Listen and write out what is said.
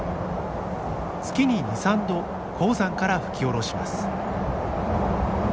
月に２３度高山から吹き降ろします。